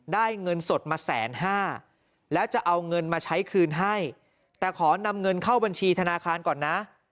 เงินสดมาแสนห้าแล้วจะเอาเงินมาใช้คืนให้แต่ขอนำเงินเข้าบัญชีธนาคารก่อนนะ